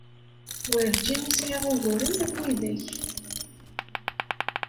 Werǧin i sɛiɣ uguren am widak.